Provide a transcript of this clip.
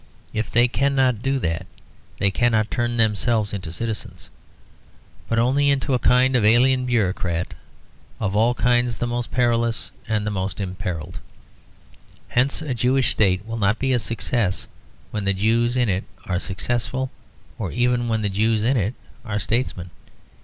If they cannot do that, they cannot turn themselves into citizens, but only into a kind of alien bureaucrats, of all kinds the most perilous and the most imperilled. Hence a Jewish state will not be a success when the Jews in it are successful, or even when the Jews in it are statesmen.